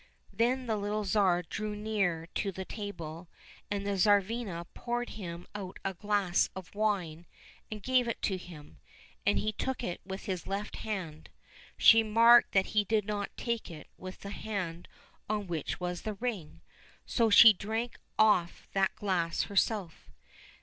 " Then the little Tsar drew near to the table, and the Tsarivna poured him out a glass of wine and gave it to him, and he took it with his left hand. She marked that he did not take it with the hand on which was the ring, so she drank off that glass herself.